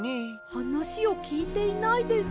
はなしをきいていないです。